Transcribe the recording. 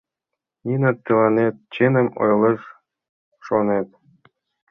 Нина тыланет чыным ойлыш, шонет?